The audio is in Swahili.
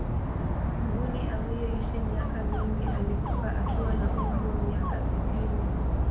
mbuni aliyeishi miaka mingi alikufa akiwa na umri wa miaka sitini